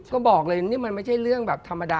ก็บอกเลยนี่มันไม่ใช่เรื่องแบบธรรมดา